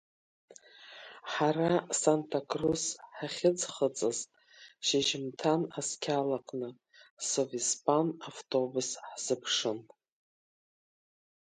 Ҳара Санта-Крус ҳахьыӡхыҵыз шьыжьымҭан асқьалаҟны Совиспан автобус ҳзыԥшын.